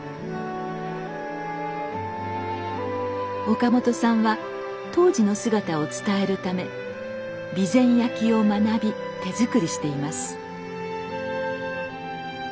岡本さんは当時の姿を伝えるため備前焼を学び手作りしています。